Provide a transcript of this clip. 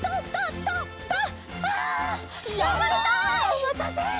おまたせ！